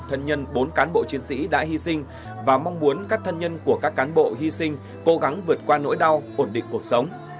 thân nhân bốn cán bộ chiến sĩ đã hy sinh và mong muốn các thân nhân của các cán bộ hy sinh cố gắng vượt qua nỗi đau ổn định cuộc sống